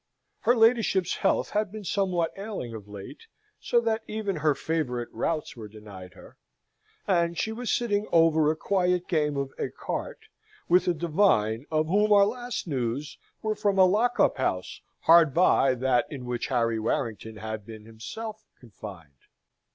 Her ladyship's health had been somewhat ailing of late, so that even her favourite routs were denied her, and she was sitting over a quiet game of ecarte, with a divine of whom our last news were from a lock up house hard by that in which Harry Warrington had been himself confined.